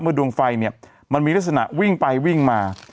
ดวงไฟเนี่ยมันมีลักษณะวิ่งไปวิ่งมา